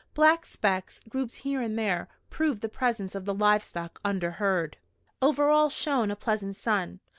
Black specks, grouped here and there, proved the presence of the livestock under herd. Over all shone a pleasant sun.